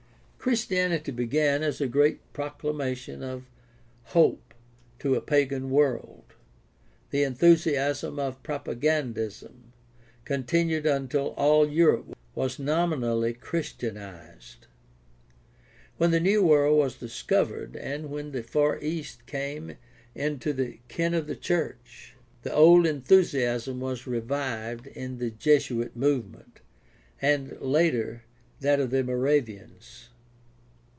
— Christianity began as a great proclamation of hop'e to a pagan world. The enthusiasm of propagandism continued until all Europe was nominally Christianized. When the New World was discovered, and when the Far East came into the ken of the church, the old enthusiasm was revived in the Jesuit movement, and later in 630 GUIDE TO STUDY OF CHRISTIAN RELIGION that of the Moravians.